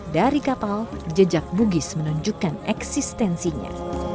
dari kapal jejak bugis menunjukkan eksistensinya